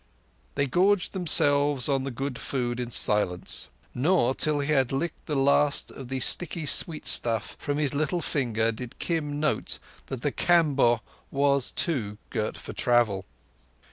They gorged themselves on the good food in silence. Nor till he had licked the last of the sticky sweetstuff from his little finger did Kim note that the Kamboh too was girt for travel.